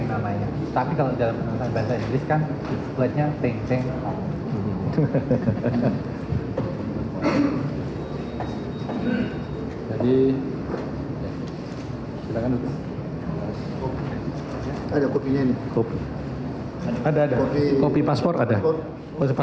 sampai jumpa di sampai jumpa